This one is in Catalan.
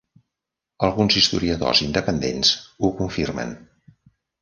Alguns historiadors independents ho confirmen.